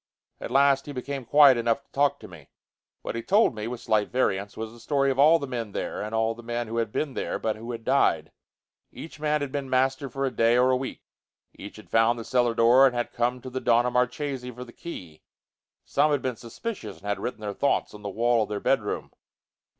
At last he became quiet enough to talk to me. What he told me, with slight variants, was the story of all the men there and all the men who had been there but who had died. Each man had been master for a day or a week. Each had found the cellar door and had come to the Donna Marchesi for the key. Some had been suspicious and had written their thoughts on the wall of their bedroom.